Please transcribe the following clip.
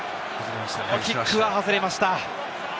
このキックは外れました。